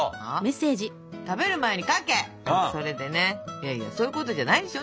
いやいやそういうことじゃないでしょ。